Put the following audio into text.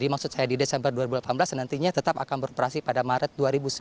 maksud saya di desember dua ribu delapan belas nantinya tetap akan beroperasi pada maret dua ribu sembilan belas